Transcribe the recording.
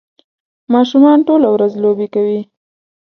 ماشومان ټوله ورځ لوبې کوي